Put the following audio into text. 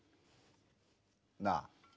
なあ？